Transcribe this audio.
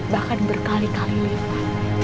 bahkan berkali kali lupa